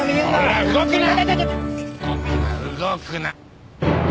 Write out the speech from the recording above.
動くな動くな。